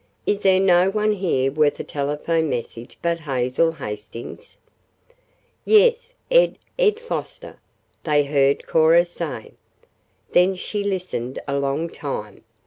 "Is there no one here worth a telephone message but Hazel Hastings?" "Yes, Ed Ed Foster," they heard Cora say. Then she listened a long time.